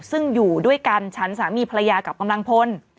ซึ่งอยู่ด้วยกันฉันสามีภรรยากับกำลังพล